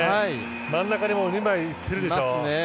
真ん中に２枚いってるでしょ。